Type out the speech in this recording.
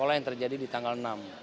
pola yang terjadi di tanggal enam